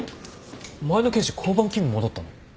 前の刑事交番勤務戻ったの？